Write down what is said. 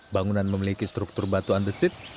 bangunan memiliki struktur batuan desit